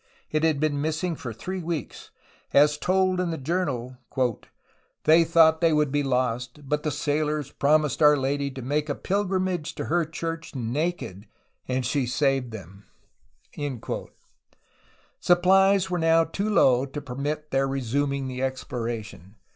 It had been missing for three weeks. As told in the journal "they thought they would be lost, but the sailors promised Our Lady to make a pilgrimage to her church naked, and she saved them.'' Supplies were now too low to permit of their resuming the exploration.